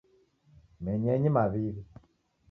Menyeni mawiwi